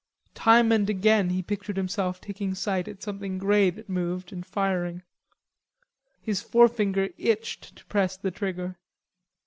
Time and again he pictured himself taking sight at something grey that moved, and firing. His forefinger itched to press the trigger.